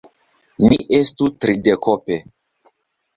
Ni estu tridekope.